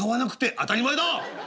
「当たり前だ！